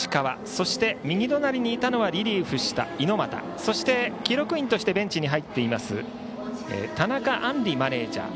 そして右隣にいたのはリリーフした猪俣そして記録員としてベンチに入っています田中杏璃マネージャー。